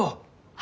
あ。